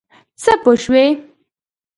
څه پوه شوې؟